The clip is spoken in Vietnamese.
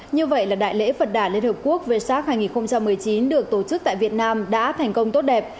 như vậy là đại lễ phật đả liên hợp quốc về sát hai nghìn một mươi chín được tổ chức tại việt nam đã thành công tốt đẹp